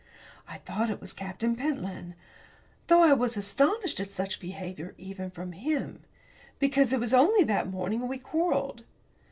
I thought it was Captain Pentland. Though I was astonished at such behaviour even from him because it was only that morning we quarrelled.